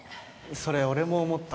それ俺も思った。